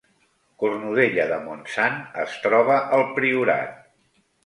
Cornudella de Montsant es troba al Priorat